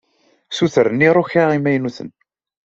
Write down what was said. Ssutren iruka imaynuten.